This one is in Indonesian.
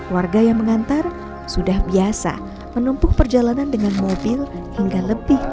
warga yang mengantar sudah biasa menumpuk perjalanan dengan mobil hingga lebih